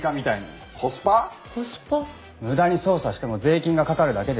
無駄に捜査しても税金がかかるだけです。